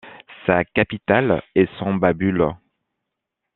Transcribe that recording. Sa capitale est Sembabule.